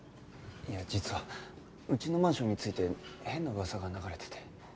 いや実はうちのマンションについて変な噂が流れてて。